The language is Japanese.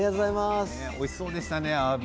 おいしそうでしたね。